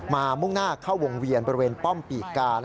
มุ่งหน้าเข้าวงเวียนบริเวณป้อมปีกกา